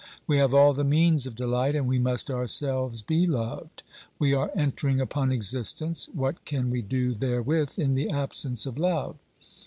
We have all the means of delight and we must ourselves be loved. We are entering upon existence ; what can we do therewith in the absence of love?